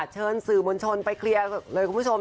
เชิญสื่อมวลชนไปเคลียร์เลยคุณผู้ชม